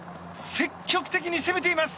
積極的に攻めています！